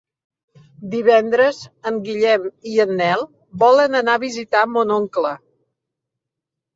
Divendres en Guillem i en Nel volen anar a visitar mon oncle.